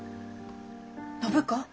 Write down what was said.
「暢子